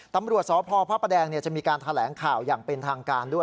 ตำรวจสพพระประแดงจะมีการแถลงข่าวอย่างเป็นทางการด้วย